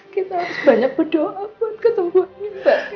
kita harus banyak berdoa untuk ketemu anitta